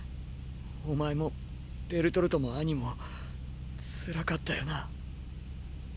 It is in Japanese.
お前もベルトルトもアニも辛かったよな。